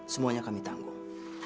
semuanya kami tanggung